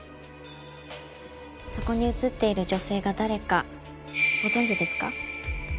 そこに写っている女性が誰かご存じですか？